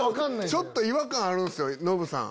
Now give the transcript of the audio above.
ちょっと違和感あるんすよノブさん